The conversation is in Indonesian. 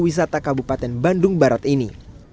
dan melestarikan geowisata kabupaten bandung barat ini